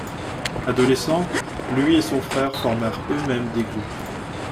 Adolescents, lui et son frère formèrent eux-mêmes des groupes.